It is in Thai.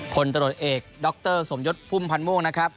คนตระหนดเอกดรสมยศพุ่มพันโมงนะครับ